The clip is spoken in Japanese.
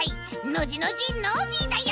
ノジノジノージーだよ！